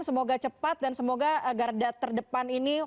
semoga cepat dan semoga garda terdepan ini